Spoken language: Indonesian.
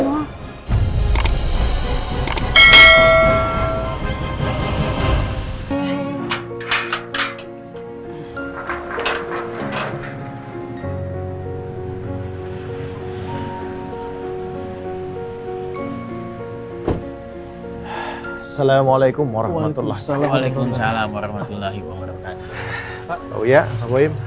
assalamualaikum warahmatullah waalaikumsalam warahmatullahi wabarakatuh oh ya pak woyim